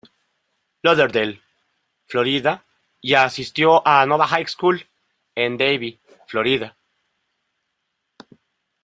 Lauderdale, Florida y asistió a Nova High School, en Davie, Florida.